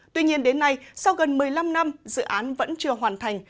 tuy nhiên đến nay sau gần một mươi năm năm dự án vẫn chưa hoàn thành